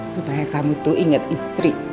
supaya kamu tuh inget istri